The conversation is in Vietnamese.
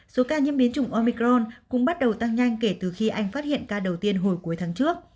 số ca nhiễm biến chủng omicron cũng bắt đầu tăng nhanh kể từ khi anh phát hiện ca đầu tiên hồi cuối tháng trước